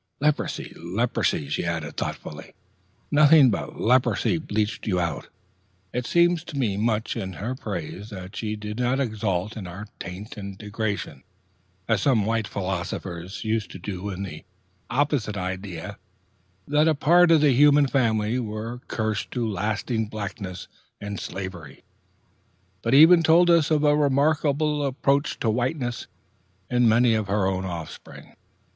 "Leprosy, leprosy," she added thoughtfully, "nothing but leprosy bleached you out." It seems to me much in her praise that she did not exult in our taint and degradation, as some white philosophers used to do in the opposite idea that a part of the human family were cursed to lasting blackness and slavery in Ham and his children, but even told us of a remarkable approach to whiteness in many of her own offspring.